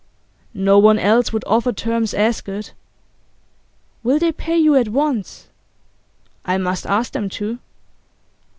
'No one else would offer terms as good.' 'Will they pay you at once?' 'I must ask them to.